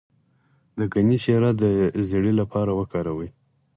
د ګني شیره د زیړي لپاره وکاروئ